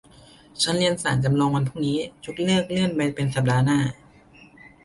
ชั้นเรียนศาลจำลองวันพรุ่งนี้ยกเลิก เลื่อนไปเป็นสัปดาห์หน้า